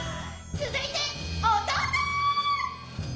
続いて弟！